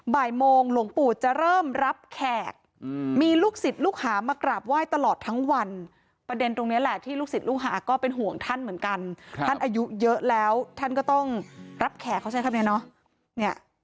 บ่ายโมงหลวงปู่จะเริ่มรับแขกมีลูกศิษย์ลูกหามากราบไหว้ตลอดทั้งวันประเด็นตรงนี้แหละที่ลูกศิษย์ลูกหาก็เป็นห่วงท่านเหมือนกันท่านอายุเยอะแล้วท่านก็ต้องรับแขกเขาใช้คำนี้เนาะ